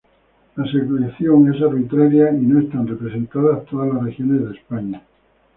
La selección es arbitraria y no están representadas todas las regiones de España.